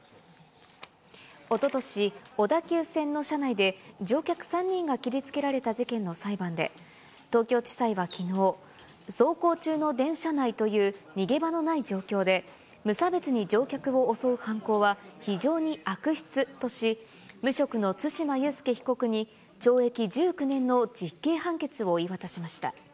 おととし、小田急線の車内で、乗客３人が切りつけられた事件の裁判で、東京地裁はきのう、走行中の電車内という逃げ場のない状況で、無差別に乗客を襲う犯行は非常に悪質とし、無職の対馬悠介被告に懲役１９年の実刑判決を言い渡しました。